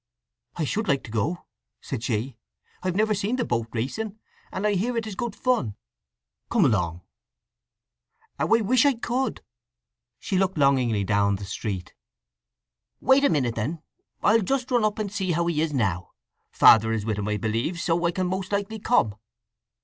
"I should like to go," said she. "I've never seen the boat racing, and I hear it is good fun." "Come along!" "How I wish I could!" She looked longingly down the street. "Wait a minute, then. I'll just run up and see how he is now. Father is with him, I believe; so I can most likely come."